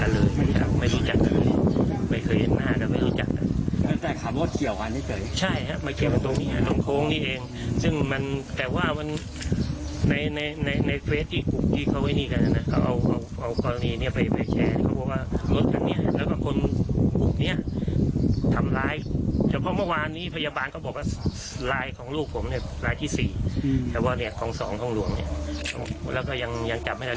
ลูกผมรายที่๔แต่ว่าครอง๒ห้องหลวงแล้วก็ยังจับไม่ได้